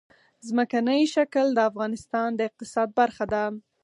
ځمکنی شکل د افغانستان د اقتصاد برخه ده.